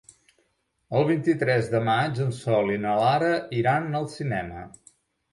El vint-i-tres de maig en Sol i na Lara iran al cinema.